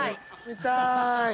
見たい。